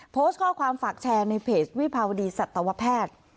โพสต์ข้อความฝากแชร์ในเพจวิภาวดีสัตวแพทย์